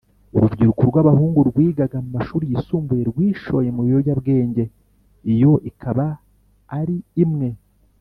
Urubyiruko rw abahungu rwigaga mu mashuri yisumbuye rwishoye mu biyobyabwenge iyo ikaba ari imwe